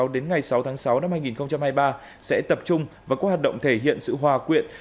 đến ngày sáu tháng sáu năm hai nghìn hai mươi ba sẽ tập trung vào các hoạt động thể hiện sự hòa quyện